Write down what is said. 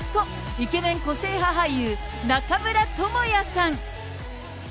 イケメン個性派俳優、中村倫也さん。